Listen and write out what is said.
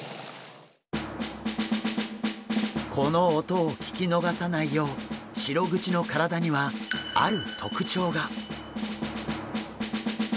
この音を聞き逃さないようシログチの体にはある特徴が。